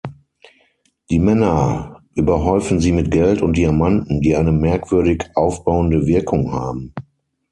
Die Männer überhäufen sie mit Geld und Diamanten, die eine merkwürdig aufbauende Wirkung haben.